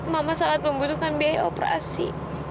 memang sangat membutuhkan biaya operasi